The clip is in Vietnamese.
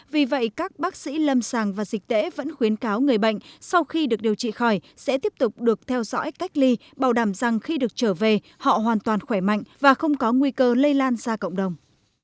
vì vậy các bác sĩ lâm sàng và dịch tễ vẫn khuyến cáo người bệnh sau khi được điều trị khỏi sẽ tiếp tục được theo dõi cách ly bảo đảm rằng khi được trở về họ hoàn toàn khỏe mạnh và không có nguy cơ lây lan ra cộng đồng